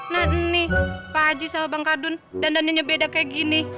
nah ini pak haji sama bang kadun dandannya nya beda kayak gini